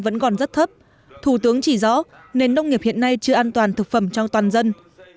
vẫn còn rất thấp thủ tướng chỉ rõ nền nông nghiệp hiện nay chưa an toàn thực phẩm trong toàn dân